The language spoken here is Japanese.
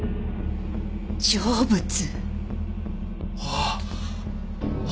ああ。